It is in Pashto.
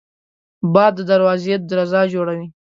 باد د دروازې درزا جوړوي